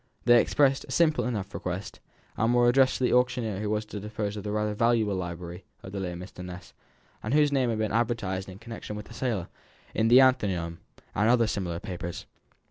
They expressed a simple enough request, and were addressed to the auctioneer who was to dispose of the rather valuable library of the late Mr. Ness, and whose name had been advertised in connection with the sale, in the Athenaeum, and other similar papers.